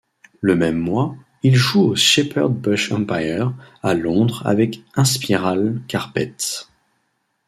Le même mois, ils jouent au Shepherd’s Bush Empire, à Londres avec Inspiral Carpets.